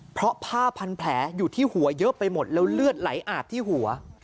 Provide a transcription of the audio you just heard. เพราะผ้าพันแผลอยู่ที่หัวเยอะไปหมดแล้วเลือดไหลอาบที่หัว